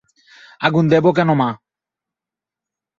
আগুন দেব কেন মা?